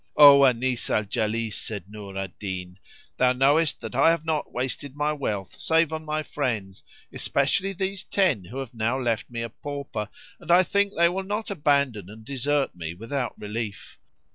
"O Anis al Jalis," said Nur al Din, "thou knowest that I have not wasted my wealth save on my friends, especially these ten who have now left me a pauper, and I think they will not abandon and desert me without relief."